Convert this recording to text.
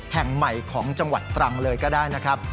แห่งใหม่ของจังหวัดตรังเลยก็ได้นะครับ